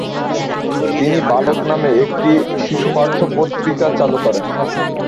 তিনি বালক নামে একটি শিশুপাঠ্য পত্রিকা চালু করেন।